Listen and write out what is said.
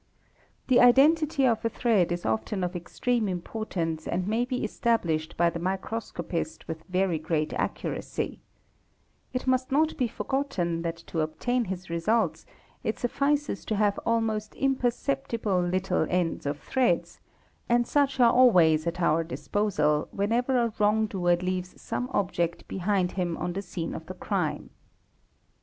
The identity of a thread is often of extreme importance and may be established by the microscopist with very great accuracy. It must no be forgotten that to obtain his results it suffices to have almost imper 7 ceptible little ends of threads and such are always at our disposal whenever a wrong doer leaves some object behind him on the scene of the crime.